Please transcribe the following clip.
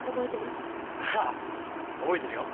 ああ覚えてるよ。